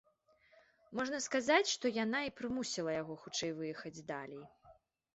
Можна сказаць, што яна і прымусіла яго хутчэй выехаць далей.